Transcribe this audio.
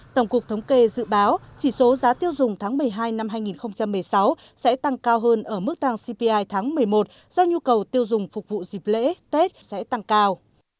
tổng cục thống kê dự báo chỉ số giá tiêu dùng tháng một mươi hai năm hai nghìn một mươi sáu sẽ tăng cao hơn ở mức tăng cpi tháng một mươi một do nhu cầu tiêu dùng phục vụ dịp lễ tết sẽ tăng cao